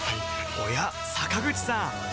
おや坂口さん